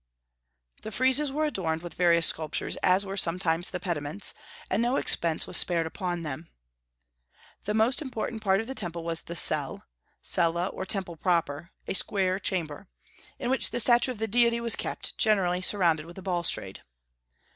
The friezes were adorned with various sculptures, as were sometimes the pediments, and no expense was spared upon them. The most important part of the temple was the cell (cella, or temple proper, a square chamber), in which the statue of the deity was kept, generally surrounded with a balustrade.